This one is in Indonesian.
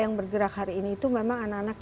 yang bergerak hari ini itu memang anak anak